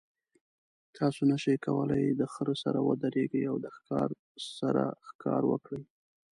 تاسو نشئ کولی د خر سره ودریږئ او د ښکار سره ښکار وکړئ.